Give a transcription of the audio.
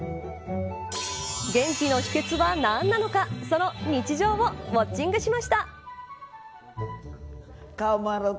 元気の秘訣は何なのかその日常をウオッチングしました。